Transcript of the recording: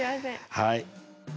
はい。